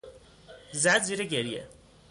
زد زیر گریه.